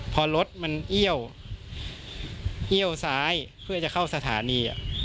พอรถมันเอี้ยวซ้ายเพื่อจะเข้าสถานี